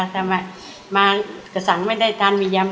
แต่มากระสังไม่ได้ทานมียำ